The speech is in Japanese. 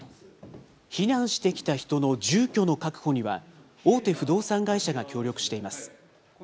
避難してきた人の住居の確保には、大手不動産会社が協力しています。